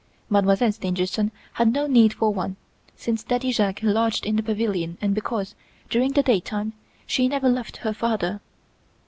Mademoiselle Stangerson had no need for one, since Daddy Jacques lodged in the pavilion and because, during the daytime, she never left her father.